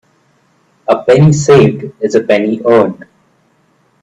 A penny saved is a penny earned.